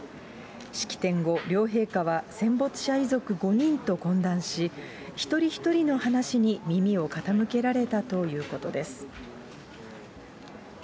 式典後、両陛下は戦没者遺族５人と懇談し、一人一人の話に耳を傾けられたということです。